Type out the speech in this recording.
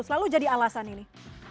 selalu jadi alasan ini